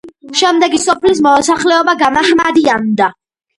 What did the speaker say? შემდეგში სოფლის მოსახლეობა გამაჰმადიანდა.